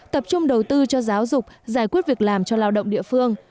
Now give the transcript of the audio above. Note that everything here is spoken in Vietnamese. tập trung đầu tư cho giáo dục giải quyết việc làm cho lao động địa phương